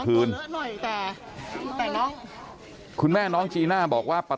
เพื่อนบ้านเจ้าหน้าที่อำรวจกู้ภัย